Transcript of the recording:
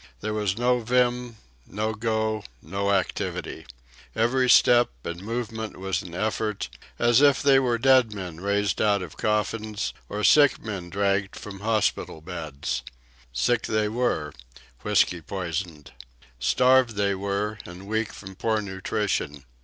There was no vim, no go, no activity. Every step and movement was an effort, as if they were dead men raised out of coffins or sick men dragged from hospital beds. Sick they were—whiskey poisoned. Starved they were, and weak from poor nutrition.